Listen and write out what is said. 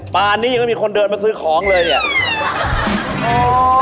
ป่านนี้ยังไม่มีคนเดินมาซื้อของเลยเนี่ย